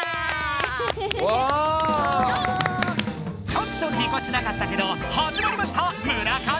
ちょっとぎこちなかったけどはじまりました！